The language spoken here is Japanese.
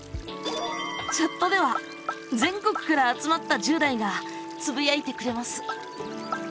チャットでは全国から集まった１０代がつぶやいてくれます。